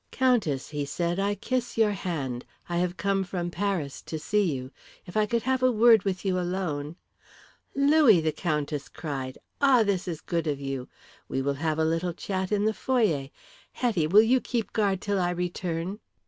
"Countess," he said. "I kiss your hand. I have come from Paris to see you. If I could have a word with you alone " "Louis," the Countess cried, "ah, this is good of you! We will have a little chat in the foyer. Hetty, will you keep guard till I return."